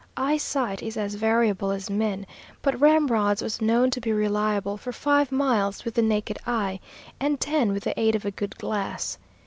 Eyesight is as variable as men, but Ramrod's was known to be reliable for five miles with the naked eye, and ten with the aid of a good glass.